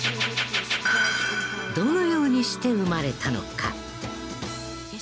どのようにして生まれたのか？